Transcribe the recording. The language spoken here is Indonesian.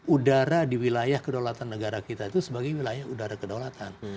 udara di wilayah kedaulatan negara kita itu sebagai wilayah udara kedaulatan